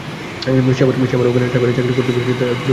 সে আমার ওখানে ড্রাইভারের চাকরি করতে পারবে, তার পুরো দায়ভার আমার।